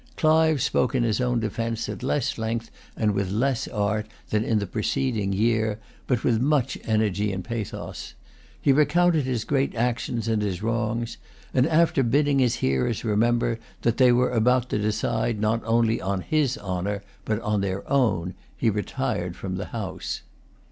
Clive spoke in his own defence at less length and with less art than in the preceding year, but with much energy and pathos. He recounted his great actions and his wrongs; and, after bidding his hearers remember, that they were about to decide not only on his honour but on their own, he retired from the House.